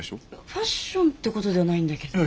ファッションってことではないんだけど。